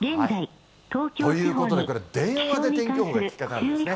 ということで、これ、電話で天気予報が聞けるんですね。